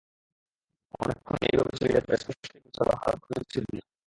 অনেকক্ষণ এইভাবে চলিলে পর স্পষ্টই বুঝা গেল হারানবাবু উঠিবেন না।